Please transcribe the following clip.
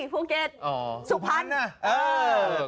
พูร์เกตสุขพันธุ์